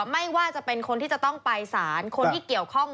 ไม่ว่าจะเป็นคนที่จะต้องไปสารคนที่เกี่ยวข้อง